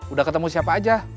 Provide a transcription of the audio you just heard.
udah ketemu siapa aja